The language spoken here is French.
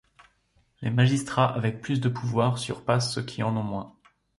Les magistrats avec plus de pouvoir surpassent ceux qui en ont moins.